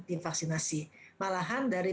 divaksinasi malahan dari